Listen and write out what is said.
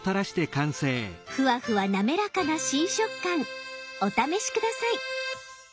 ふわふわなめらかな新食感お試し下さい！